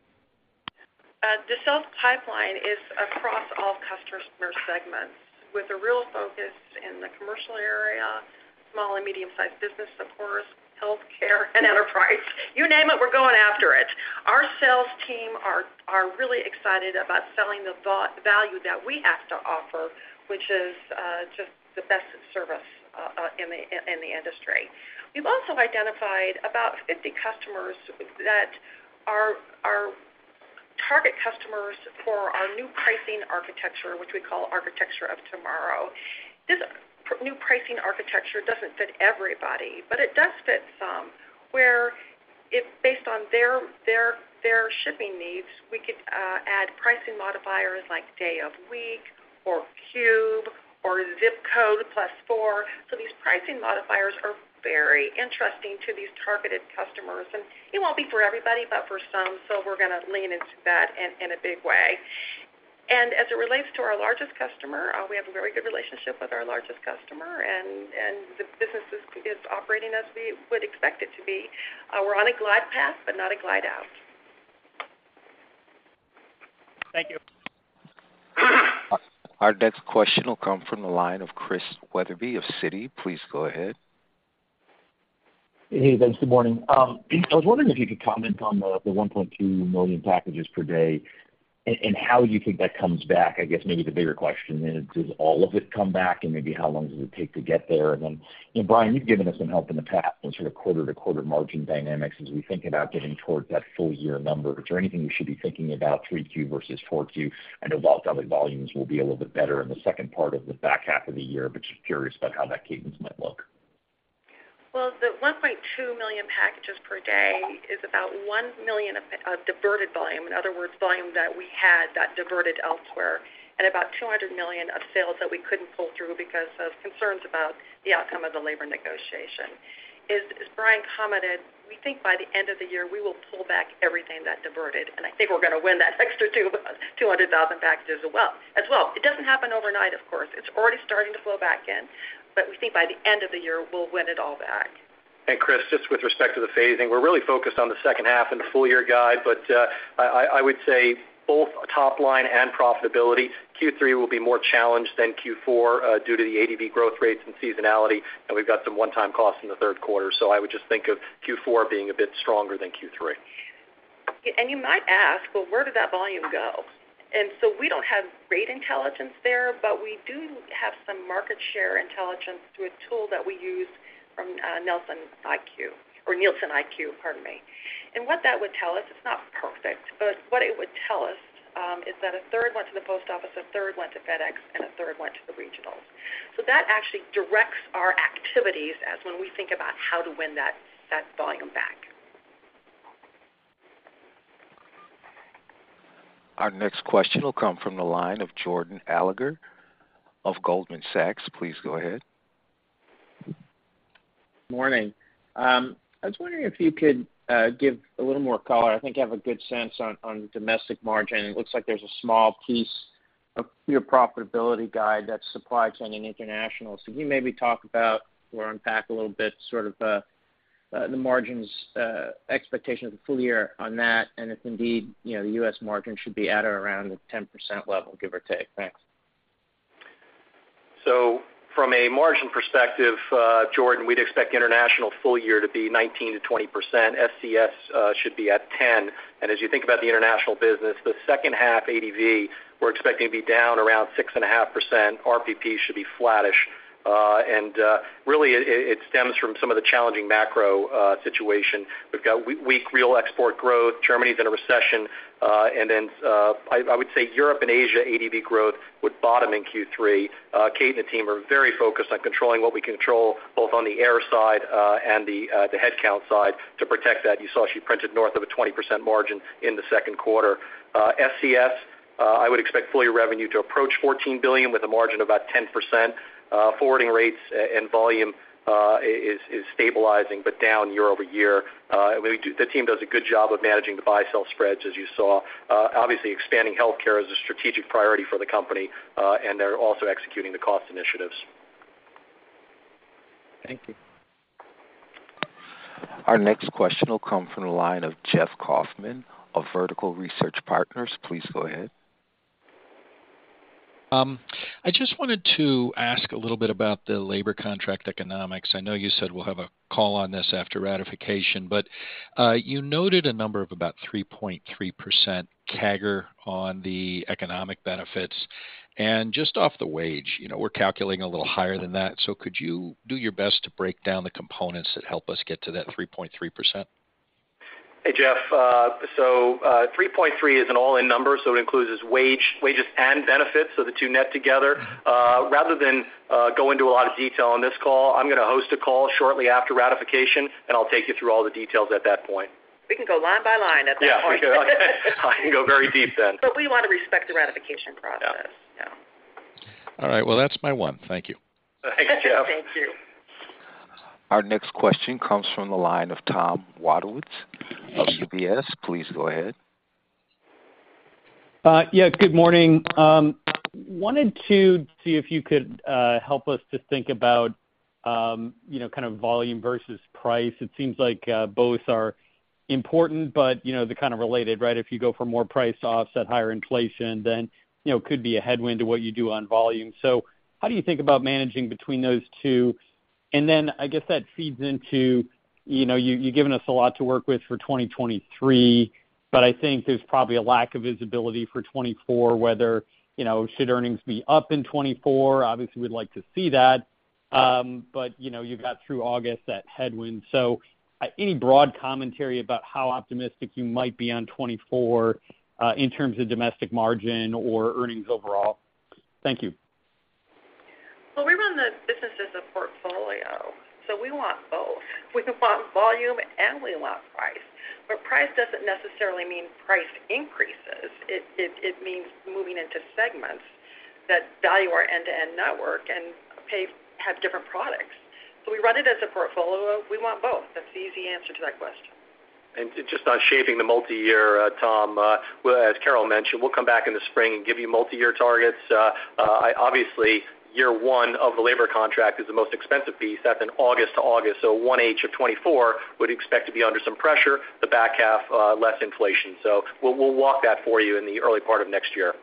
The sales pipeline is across all customer segments, with a real focus in the commercial area: small and medium-sized business supporters, healthcare, and enterprise. You name it, we're going after it. Our sales team are really excited about selling the thought- value that we have to offer, which is just the best service in the industry. We've also identified about 50 customers that are target customers for our new pricing architecture, which we call Architecture of Tomorrow. This new pricing architecture doesn't fit everybody, but it does fit some, where if based on their shipping needs, we could add pricing modifiers like day of week or cube or zip code plus four. These pricing modifiers are very interesting to these targeted customers, and it won't be for everybody, but for some, so we're gonna lean into that in a big way. As it relates to our largest customer, we have a very good relationship with our largest customer, and the business is operating as we would expect it to be. We're on a glide path, but not a glide out. Thank you. Our next question will come from the line of Chris Wetherbee of Citi. Please go ahead. Hey, thanks. Good morning. I was wondering if you could comment on the 1.2 million packages per day, and how you think that comes back. I guess maybe the bigger question is, does all of it come back? Maybe how long does it take to get there? Then, you know, Brian, you've given us some help in the past on sort of quarter-to-quarter margin dynamics as we think about getting towards that full year number. Is there anything you should be thinking about 3Q versus 4Q? I know wall-to-wall volumes will be a little bit better in the second part of the back half of the year, but just curious about how that cadence might look. Well, the 1.2 million packages per day is about 1 million of diverted volume. In other words, volume that we had got diverted elsewhere, and about $200 million of sales that we couldn't pull through because of concerns about the outcome of the labor negotiation. As Brian commented, we think by the end of the year, we will pull back everything that diverted, and I think we're gonna win that extra 200,000 packages as well. It doesn't happen overnight, of course. It's already starting to flow back in, but we think by the end of the year, we'll win it all back. Chris, just with respect to the phasing, we're really focused on the second half and the full-year guide, but, I, I, I would say both top line and profitability, Q3 will be more challenged than Q4, due to the ADV growth rates and seasonality, and we've got some one-time costs in the third quarter. I would just think of Q4 being a bit stronger than Q3. You might ask, "Well, where did that volume go?" We don't have great intelligence there, but we do have some market share intelligence through a tool that we use from NielsenIQ, pardon me. What that would tell us, it's not perfect, but what it would tell us, is that a third went to the Post Office, a third went to FedEx, and a third went to the regionals. That actually directs our activities as when we think about how to win that, that volume back. Our next question will come from the line of Jordan Alliger of Goldman Sachs. Please go ahead. Morning. I was wondering if you could give a little more color. I think you have a good sense on, on domestic margin, and it looks like there's a small piece of your profitability guide that's supply chain and international. Can you maybe talk about or unpack a little bit, sort of, the margins expectation of the full year on that, and if indeed, you know, the U.S. margin should be at or around the 10% level, give or take? Thanks. From a margin perspective, Jordan, we'd expect international full year to be 19%-20%. SCS should be at 10. As you think about the international business, the second half ADV, we're expecting to be down around 6.5%. RPP should be flattish. Really, it, it, it stems from some of the challenging macro situation. We've got weak real export growth. Germany is in a recession. I, I would say Europe and Asia, ADV growth would bottom in Q3. Kate and the team are very focused on controlling what we control, both on the air side, and the, the headcount side to protect that. You saw she printed north of a 20% margin in the second quarter. SCS, I would expect full year revenue to approach $14 billion with a margin of about 10%. Forwarding rates and volume is stabilizing but down year-over-year. The team does a good job of managing the buy, sell spreads, as you saw. Obviously, expanding healthcare is a strategic priority for the company, and they're also executing the cost initiatives. Thank you. Our next question will come from the line of Jeff Kaufman of Vertical Research Partners. Please go ahead. I just wanted to ask a little bit about the labor contract economics. I know you said we'll have a call on this after ratification, but you noted a number of about 3.3% CAGR on the economic benefits. Just off the wage, we're calculating a little higher than that. Could you do your best to break down the components that help us get to that 3.3%? Hey, Jeff. 3.3 is an all-in number, so it includes wages and benefits, so the two net together. Rather than, go into a lot of detail on this call, I'm gonna host a call shortly after ratification, and I'll take you through all the details at that point. We can go line by line at that point. Yeah, we can. I can go very deep then. We want to respect the ratification process. Yeah. Yeah. All right, well, that's my one. Thank you. Thanks, Jeff. Thank you. Our next question comes from the line of Tom Wadewitz of UBS. Please go ahead. Yeah, good morning. wanted to see if you could help us to think about, you know, kind of volume versus price. It seems like both are-... important, but, you know, they're kind of related, right? If you go for more price offs at higher inflation, then, you know, could be a headwind to what you do on volume. How do you think about managing between those two? Then I guess that feeds into, you know, you, you've given us a lot to work with for 2023, but I think there's probably a lack of visibility for 2024, whether, you know, should earnings be up in 2024? Obviously, we'd like to see that. You know, you've got through August, that headwind. Any broad commentary about how optimistic you might be on 2024, in terms of domestic margin or earnings overall? Thank you. We run the business as a portfolio, so we want both. We want volume, and we want price. Price doesn't necessarily mean price increases. It means moving into segments that value our end-to-end network and pay-- have different products. We run it as a portfolio. We want both. That's the easy answer to that question. Just on shaping the multiyear, Tom, well, as Carol mentioned, we'll come back in the spring and give you multiyear targets. Obviously, year 1 of the labor contract is the most expensive piece. That's an August to August, so 1H of 2024 would expect to be under some pressure, the back half, less inflation. So we'll, we'll walk that for you in the early part of next year.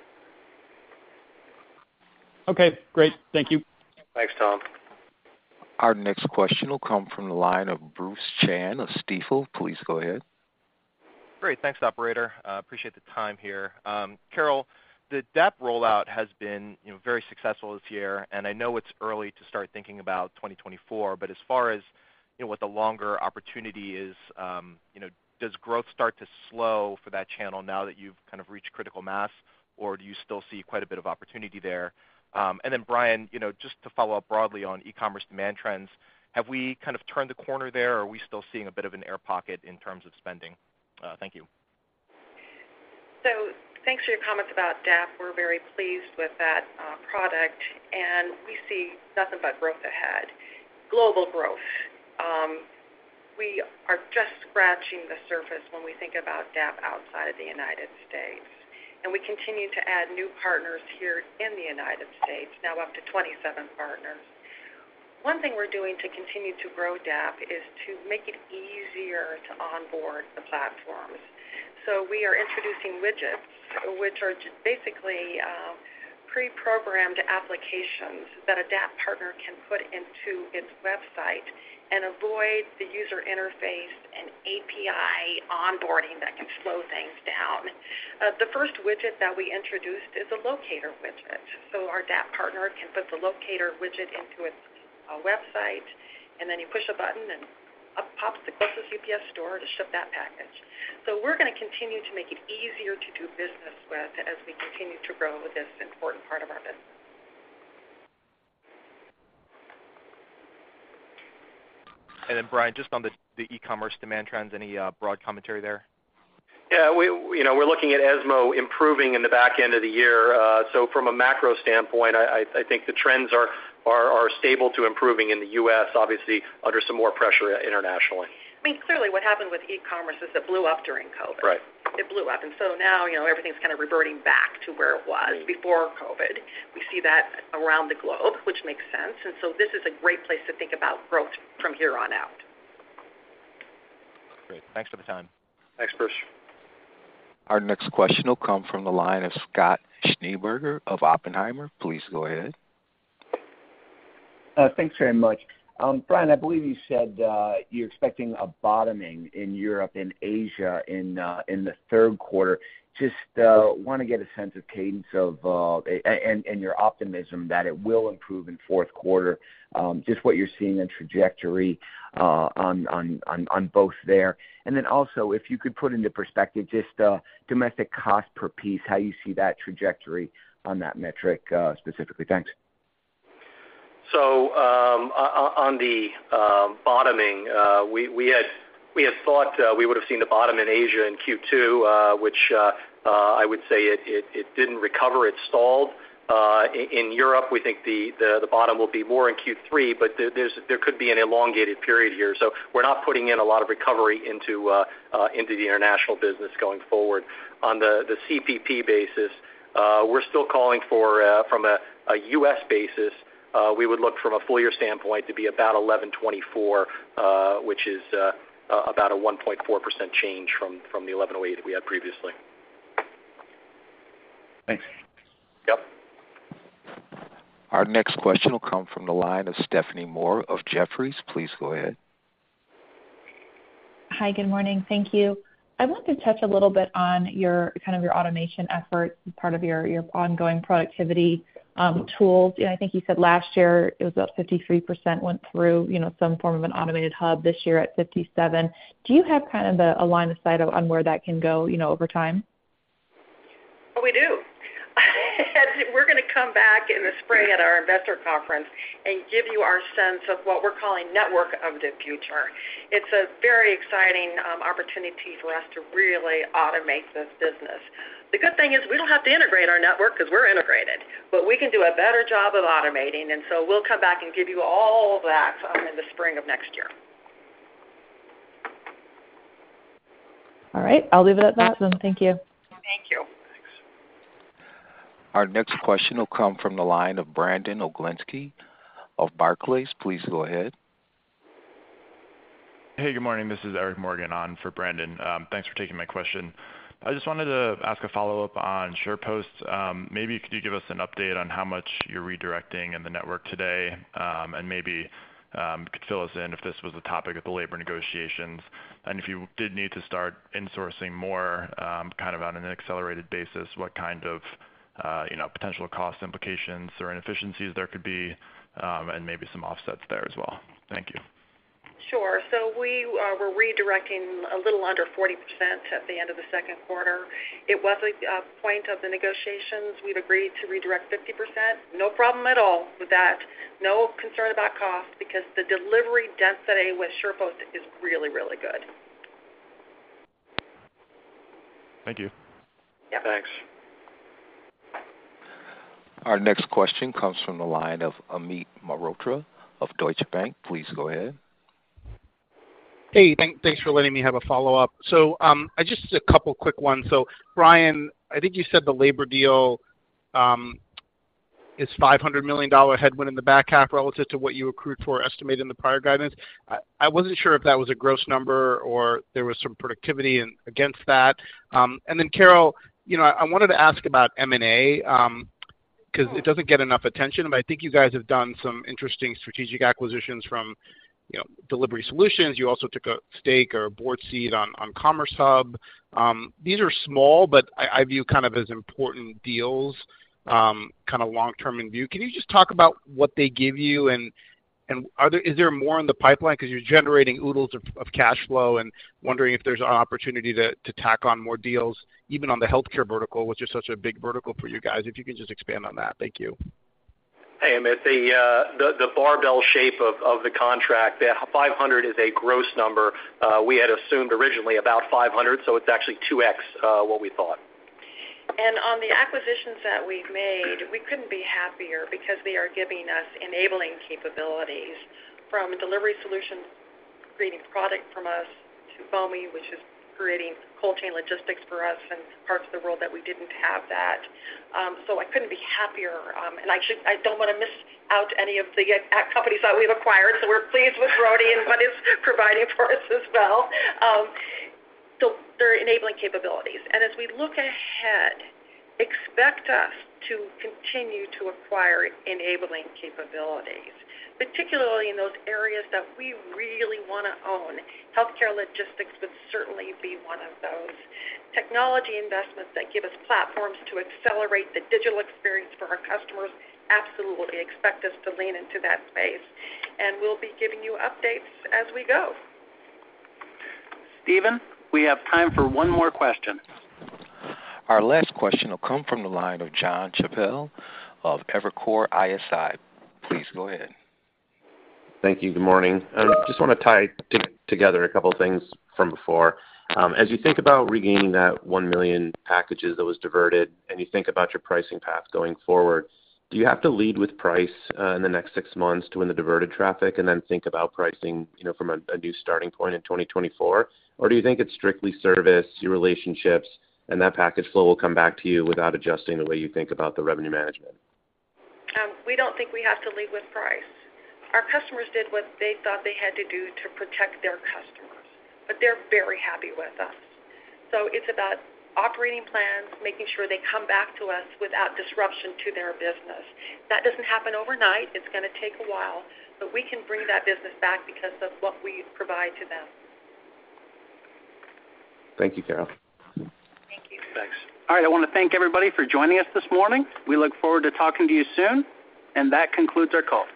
Okay, great. Thank you. Thanks, Tom. Our next question will come from the line of Bruce Chan of Stifel. Please go ahead. Great, thanks, operator. Appreciate the time here. Carol, the DAP rollout has been, you know, very successful this year, and I know it's early to start thinking about 2024, but as far as, you know, what the longer opportunity is, you know, does growth start to slow for that channel now that you've kind of reached critical mass, or do you still see quite a bit of opportunity there? Then, Brian, you know, just to follow up broadly on e-commerce demand trends, have we kind of turned the corner there, or are we still seeing a bit of an air pocket in terms of spending? Thank you. Thanks for your comments about DAP. We're very pleased with that, product, and we see nothing but growth ahead, global growth. We are just scratching the surface when we think about DAP outside of the United States, and we continue to add new partners here in the United States, now up to 27 partners. One thing we're doing to continue to grow DAP is to make it easier to onboard the platforms. We are introducing widgets, which are just basically, preprogrammed applications that a DAP partner can put into its website and avoid the user interface and API onboarding that can slow things down. The first widget that we introduced is a locator widget, so our DAP partner can put the locator widget into its, website, and then you push a button, and up pops the closest UPS Store to ship that package. We're gonna continue to make it easier to do business with as we continue to grow this important part of our business. Brian, just on the, the e-commerce demand trends, any broad commentary there? Yeah, we, you know, we're looking at ESMO improving in the back end of the year. From a macro standpoint, I, I, I think the trends are, are, are stable to improving in the U.S., obviously under some more pressure internationally. I mean, clearly, what happened with e-commerce is it blew up during COVID. Right. It blew up, and so now, you know, everything's kind of reverting back to where it was. Right before COVID. We see that around the globe, which makes sense, and so this is a great place to think about growth from here on out. Great. Thanks for the time. Thanks, Bruce. Our next question will come from the line of Scott Schneeberger of Oppenheimer. Please go ahead. Thanks very much. Brian, I believe you said, you're expecting a bottoming in Europe and Asia in, in the third quarter. Just, want to get a sense of cadence of, and your optimism that it will improve in fourth quarter, just what you're seeing in trajectory on both there. Then also, if you could put into perspective just, domestic cost per piece, how you see that trajectory on that metric, specifically. Thanks. ing, we had thought we would've seen the bottom in Asia in Q2, which I would say it didn't recover, it stalled. In Europe, we think the bottom will be more in Q3, but there could be an elongated period here. So we're not putting in a lot of recovery into the international business going forward. On the CPP basis, we're still calling for from a U.S. basis, we would look from a full year standpoint to be about 11.24, which is about a 1.4% change from the 11.08 that we had previously Thanks. Yep. Our next question will come from the line of Stephanie Moore of Jefferies. Please go ahead. Hi, good morning. Thank you. I want to touch a little bit on your, kind of your automation efforts as part of your, your ongoing productivity, tools. You know, I think you said last year it was about 53% went through, you know, some form of an automated hub. This year at 57. Do you have kind of a line of sight on where that can go, you know, over time? We do. We're gonna come back in the spring at our investor conference and give you our sense of what we're calling Network of the Future. It's a very exciting opportunity for us to really automate this business. The good thing is we don't have to integrate our network because we're integrated, but we can do a better job of automating, and so we'll come back and give you all that in the spring of next year. All right. I'll leave it at that, then. Thank you. Our next question will come from the line of Brandon Oglenski of Barclays. Please go ahead. Hey, good morning. This is Eric Morgan on for Brandon. Thanks for taking my question. I just wanted to ask a follow-up on SurePost. Maybe could you give us an update on how much you're redirecting in the network today? And maybe could fill us in if this was a topic at the labor negotiations, and if you did need to start insourcing more, kind of on an accelerated basis, what kind of, you know, potential cost implications or inefficiencies there could be, and maybe some offsets there as well? Thank you. Sure. We're redirecting a little under 40% at the end of the second quarter. It was a point of the negotiations. We've agreed to redirect 50%. No problem at all with that. No concern about cost because the delivery density with SurePost is really, really good. Thank you. Yeah. Thanks. Our next question comes from the line of Amit Mehrotra of Deutsche Bank. Please go ahead. Hey, thank, thanks for letting me have a follow-up. I just a couple quick ones. Brian, I think you said the labor deal is $500 million headwind in the back half relative to what you accrued for estimated in the prior guidance. I, I wasn't sure if that was a gross number or there was some productivity in against that. Carol, you know, I wanted to ask about M&A because it doesn't get enough attention, but I think you guys have done some interesting strategic acquisitions from, you know, Delivery Solutions. You also took a stake or a board seat on, on CommerceHub. These are small, but I, I view kind of as important deals, kind of long term in view. Can you just talk about what they give you, and, and is there more in the pipeline because you're generating oodles of, of cash flow and wondering if there's an opportunity to, to tack on more deals, even on the healthcare vertical, which is such a big vertical for you guys? If you could just expand on that. Thank you. Hey, Amit. The barbell shape of, of the contract, the 500 is a gross number. We had assumed originally about 500, so it's actually 2x what we thought. On the acquisitions that we've made, we couldn't be happier because they are giving us enabling capabilities from a Delivery Solutions, creating product from us to Bomi Group, which is creating cold chain logistics for us in parts of the world that we didn't have that. I couldn't be happier. I should- I don't want to miss out any of the companies that we've acquired, so we're pleased with Roadie and what it's providing for us as well. They're enabling capabilities. As we look ahead, expect us to continue to acquire enabling capabilities, particularly in those areas that we really wanna own. Healthcare logistics would certainly be one of those. Technology investments that give us platforms to accelerate the digital experience for our customers, absolutely expect us to lean into that space, and we'll be giving you updates as we go. Stephen, we have time for one more question. Our last question will come from the line of John Chappell of Evercore ISI. Please go ahead. Thank you. Good morning. I just want to tie together a couple things from before. As you think about regaining that 1 million packages that was diverted, and you think about your pricing path going forward, do you have to lead with price in the next 6 months to win the diverted traffic and then think about pricing, you know, from a, a new starting point in 2024? Or do you think it's strictly service, your relationships, and that package flow will come back to you without adjusting the way you think about the revenue management? We don't think we have to lead with price. Our customers did what they thought they had to do to protect their customers, but they're very happy with us. It's about operating plans, making sure they come back to us without disruption to their business. That doesn't happen overnight. It's gonna take a while, but we can bring that business back because of what we provide to them. Thank you, Carol. Thank you. Thanks. All right. I want to thank everybody for joining us this morning. We look forward to talking to you soon. That concludes our call.